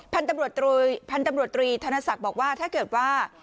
พันธุ์ตำรวจตรีธนศักดิ์บอกว่าถ้าเกิดว่า